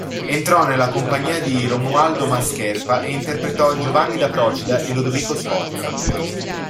Entrò nella compagnia di Romualdo Mascherpa e interpretò "Giovanni da Procida e Lodovico Sforza".